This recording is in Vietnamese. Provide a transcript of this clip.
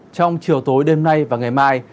trong chiều tối đêm nay và ngày mai